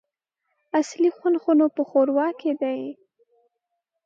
اصلي خوند خو نو په ښوروا کي دی !